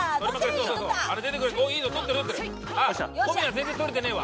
全然取れてねえわ。